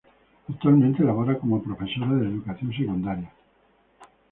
Actualmente labora como profesora de educación secundaria.